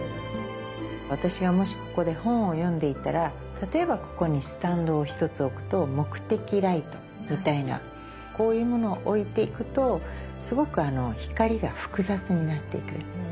私がもしここで本を読んでいたら例えばここにスタンドを１つ置くと目的ライトみたいなこういうものを置いていくとすごく光が複雑になっていく。